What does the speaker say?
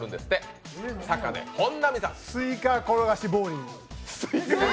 スイカ転がしボウリング。